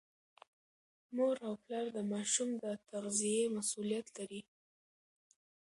مور او پلار د ماشوم د تغذیې مسؤلیت لري.